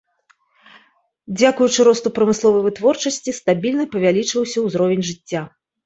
Дзякуючы росту прамысловай вытворчасці стабільна павялічваўся ўзровень жыцця.